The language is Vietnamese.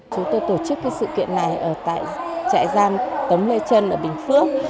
chúng tôi tổ chức sự kiện này tại trại giam tống lê trân ở bình phước